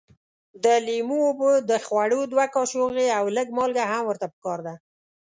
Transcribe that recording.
د لیمو اوبه د خوړو دوه کاشوغې او لږ مالګه هم ورته پکار ده.